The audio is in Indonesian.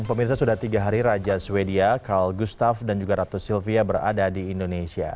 pemirsa sudah tiga hari raja swedia karl gustav dan juga ratu sylvia berada di indonesia